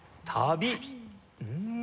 うん。